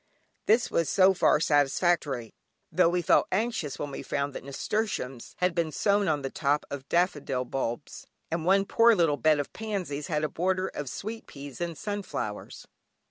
This was so far satisfactory, tho' we felt anxious when we found that nasturtiums had been sown on the top of daffodil bulbs, and one poor little bed of pansies had a border of sweet peas and sunflowers.